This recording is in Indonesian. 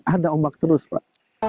ada ombak terus pak